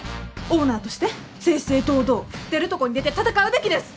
オーナーとして正々堂々出るとこに出て戦うべきです！